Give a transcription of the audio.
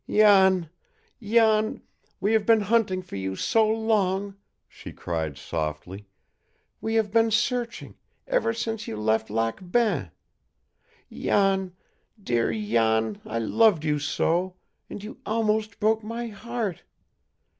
"Jan Jan we have been hunting for you so long," she cried softly. "We have been searching ever since you left Lac Bain. Jan, dear Jan, I loved you so and you almost broke my heart.